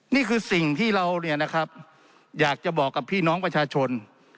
นี่คือสิ่งที่เราเนี่ยนะครับอยากจะบอกกับพี่น้องประชาชน